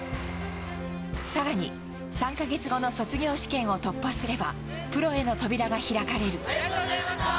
更に、３か月後の卒業試験を突破すればプロへの扉が開かれる。